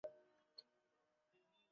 তাদের মাঝে দুর্বলতা ও ব্যর্থতা ছড়িয়ে পড়ল।